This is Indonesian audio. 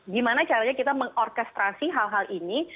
gimana caranya kita mengorkestrasi hal hal ini